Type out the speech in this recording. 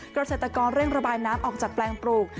เกษตรกรเร่งระบายน้ำออกจากแปลงปลูก